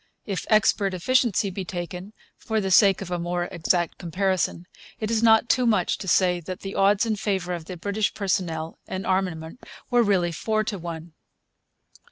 If expert efficiency be taken, for the sake of a more exact comparison, it is not too much to say that the odds in favour of the British personnel and armament were really four to one.